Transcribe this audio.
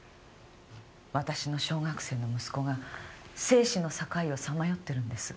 私の小学生の息子が生死の境をさ迷ってるんです。